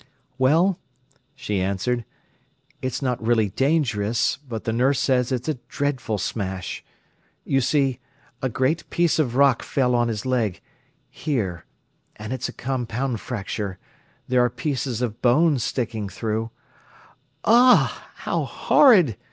"Well," she answered, "it's not really dangerous, but the nurse says it's a dreadful smash. You see, a great piece of rock fell on his leg—here—and it's a compound fracture. There are pieces of bone sticking through—" "Ugh—how horrid!"